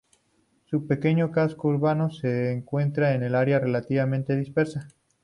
Su pequeño casco urbano se encuentra en un área relativamente dispersa.